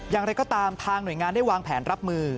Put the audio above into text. อย่างไรก็ตามทางหน่วยงานได้วางแผนรับมือ